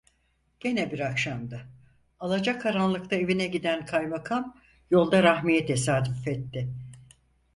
Gene bir akşamdı, alacakaranlıkta evine giden kaymakam yolda Rahmi'ye tesadüf etti.